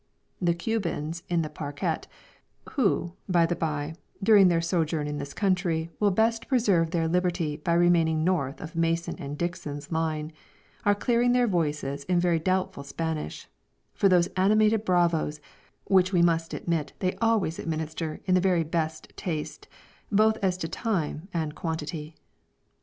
The Cubans in the parquette, who, by the by, during their sojourn in this country will best preserve their liberty by remaining north of Mason and Dixon's line, are clearing their voices in very doubtful Spanish, for those animated bravos, which we must admit they always administer in the very best taste, both as to time and quantity.